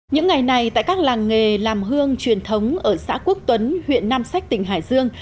những ngày này tại các làng nghề làm hương truyền thống ở xã quốc tuấn huyện nam sách tỉnh hải dương